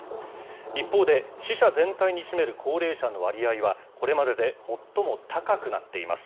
一方で、死者全体に占める高齢者の割合は、これまでで最も高くなっています。